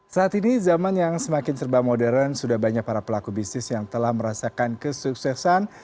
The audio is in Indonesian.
saat ini zaman yang semakin serba modern sudah banyak para pelaku bisnis yang telah merasakan kesuksesan